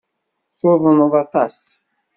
Tuḍneḍ aṭas.